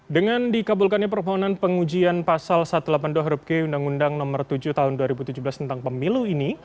dengan dikabulkannya permohonan pengujian pasal satu ratus delapan puluh dua huruf g undang undang nomor tujuh tahun dua ribu tujuh belas tentang pemilu ini